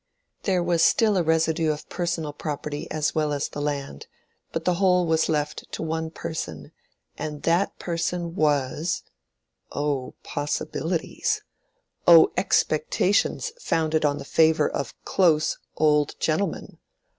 There was still a residue of personal property as well as the land, but the whole was left to one person, and that person was—O possibilities! O expectations founded on the favor of "close" old gentlemen!